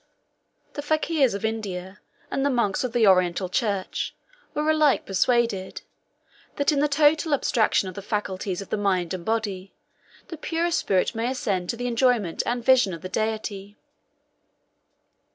The fakirs of India, 39 and the monks of the Oriental church, were alike persuaded, that in the total abstraction of the faculties of the mind and body, the purer spirit may ascend to the enjoyment and vision of the Deity.